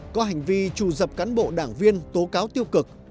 có hành vi trù dập cán bộ đảng viên tố cáo tiêu cực